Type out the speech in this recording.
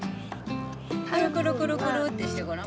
くるくるくるくるってしてごらん。